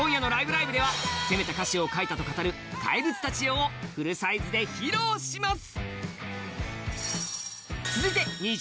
ライブ！」では攻めた歌詞を書いたと語る「怪物たちよ」をフルサイズで披露します